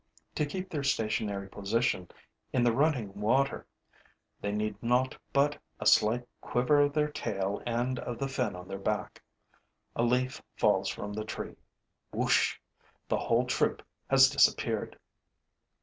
To keep their stationary position in the running water, they need naught but a slight quiver of their tail and of the fin on their back. A leaf falls from the tree. Whoosh! The whole troop has disappeared.